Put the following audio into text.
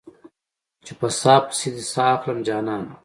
چې په ساه پسې دې ساه اخلم جانانه